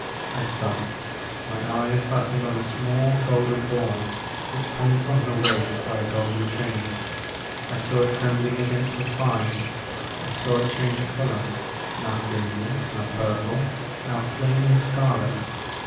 I stopped, my eyes fastened on a small golden ball which hung from her waist by a golden chain. I saw it trembling against her thigh, I saw it change color, now crimson, now purple, now flaming scarlet.